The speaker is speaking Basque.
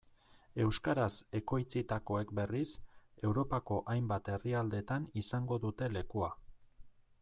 Euskaraz ekoitzitakoek berriz, Europako hainbat herrialdetan izango dute lekua.